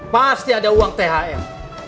pasti ada uang thm